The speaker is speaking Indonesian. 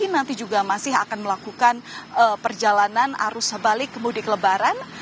nanti juga masih akan melakukan perjalanan arus sebalik kemudik lebaran